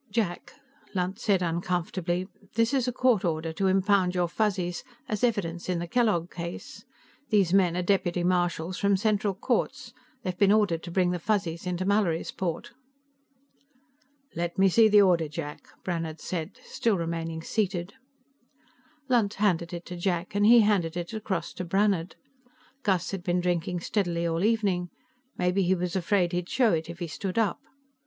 "Jack," Lunt said uncomfortably, "this is a court order to impound your Fuzzies as evidence in the Kellogg case. These men are deputy marshals from Central Courts; they've been ordered to bring the Fuzzies into Mallorysport." "Let me see the order, Jack," Brannhard said, still remaining seated. Lunt handed it to Jack, and he handed it across to Brannhard. Gus had been drinking steadily all evening; maybe he was afraid he'd show it if he stood up.